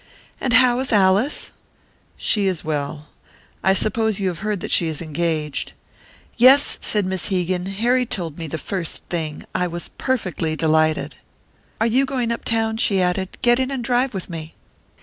"And how is Alice?" "She is well. I suppose you have heard that she is engaged." "Yes," said Miss Hegan. "Harry told me the first thing. I was perfectly delighted." "Are you going up town?" she added. "Get in and drive with me."